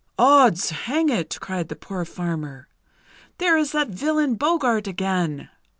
"Ods! Hang it!" cried the poor farmer. "There is that villain Boggart again!